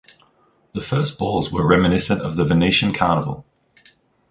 The first balls were reminiscent of the Venetian carnival.